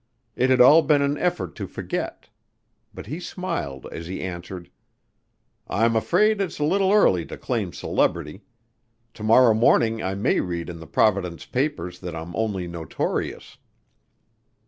It had all been an effort to forget. But he smiled as he answered. "I'm afraid it's a little early to claim celebrity. To morrow morning I may read in the Providence papers that I'm only notorious."